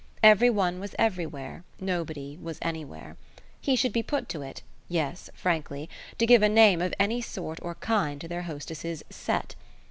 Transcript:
Every one was everywhere nobody was anywhere. He should be put to it yes, frankly to give a name of any sort or kind to their hostess's "set."